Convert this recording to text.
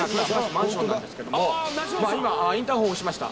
マンションなんですけども今インターホンを押しました。